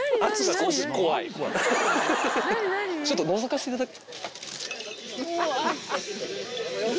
ちょっとのぞかせていただく。